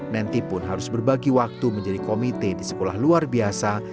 menty pun harus berbagi waktu menjadi komite di sekolah luar biasa